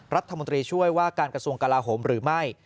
รัฐมนตรีช่วยว่าการกระทรวงกลาโหมหรือไม่